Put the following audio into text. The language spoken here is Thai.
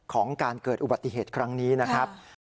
ของการเกิดอุบัติเหตุครั้งนี้นะครับ